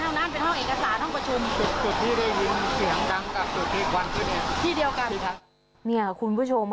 เป็นห้องเอกสารห้องประชุมส่วนที่ได้ยินเสียงดังกับส่วนที่กว้างขึ้นเองที่เดียวกัน